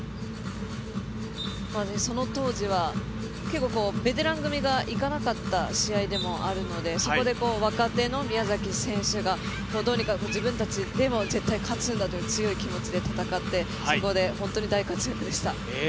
その当時は結構ベテラン組がいかなかった試合でもあるのでそこで若手の宮崎選手がどうにか自分たちで絶対に勝つんだという強い気持ちで戦ってそこで本当に大活躍でした。